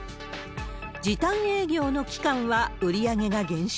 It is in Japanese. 時短営業の期間は売り上げが減少。